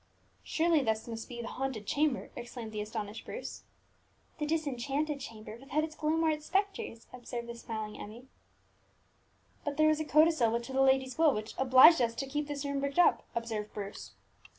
"Surely this must be the haunted chamber!" exclaimed the astonished Bruce. "The disenchanted chamber, without its gloom or its spectres," observed the smiling Emmie. "But there was a codicil to the old lady's will which obliged us to keep this room bricked up," observed Bruce.